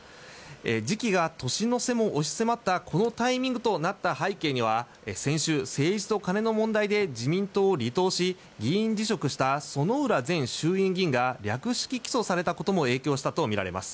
時期が年の瀬も押し迫ったこのタイミングとなった背景には先週、政治と金の問題で自民党を離党し議員辞職した薗浦前衆院議員が略式起訴されたことも影響したとみられます。